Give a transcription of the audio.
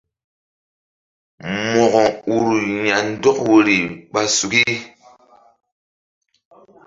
Mo̧ko ur ya̧ndɔk woyri ɓa suki.